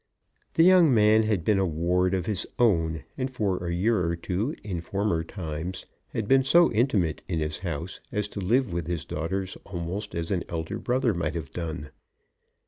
The young man had been a ward of his own, and for a year or two in former times had been so intimate in his house as to live with his daughters almost as an elder brother might have done.